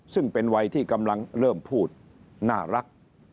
ซึ่งเป็นวัยที่กำลังเริ่มพูดน่ารัก